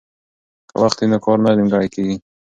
که وخت وي نو کار نه نیمګړی کیږي.